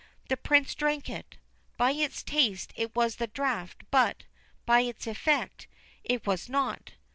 The Prince drank it. By its taste it was the draught, but, by its effect, it was not.